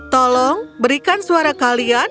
tolong berikan suara kalian